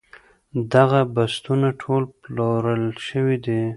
دغه بستونه ټول پلورل شوي دي.